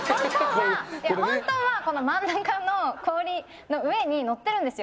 本当はこの真ん中の氷の上にのってるんですよ